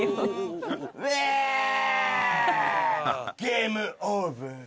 ゲームオーバー。